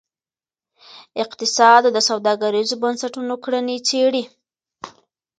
اقتصاد د سوداګریزو بنسټونو کړنې څیړي.